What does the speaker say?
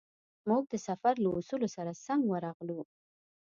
موږ د سفر له اصولو سره سم ورغلو.